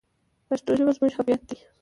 پښتو ژبه زموږ هویت دی.